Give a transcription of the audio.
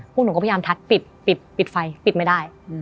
พวกหนูก็พยายามทัดปิดปิดไฟปิดไม่ได้